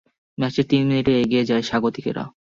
ম্যাচের তিন মিনিটেই এগিয়ে যায় স্বাগতিকেরা।